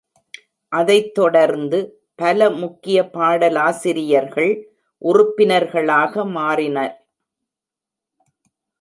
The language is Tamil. அதைத் தொடர்ந்து, பல முக்கிய பாடலாசிரியர்கள் உறுப்பினர்களாக மாறினர்.